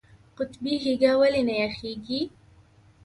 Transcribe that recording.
قطبي هیږه ولې نه یخیږي؟